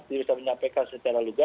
tidak bisa menyampaikan secara luga